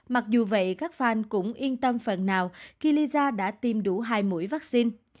mặc dù vậy các fan cũng yên tâm phần nào khi lisa đã tiêm đủ hai mũi vaccine